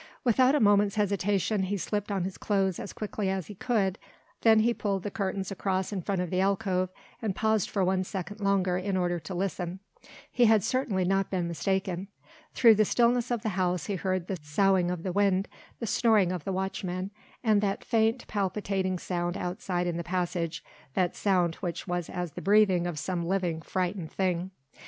Without a moment's hesitation he slipped on his clothes as quickly as he could, then he pulled the curtains across in front of the alcove and paused for one second longer in order to listen. He had certainly not been mistaken. Through the stillness of the house he heard the soughing of the wind, the snoring of the watchmen, and that faint, palpitating sound outside in the passage that sound which was as the breathing of some living, frightened thing.